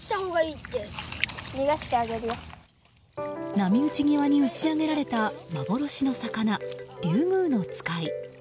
波打ち際に打ち上げられた幻の魚、リュウグウノツカイ。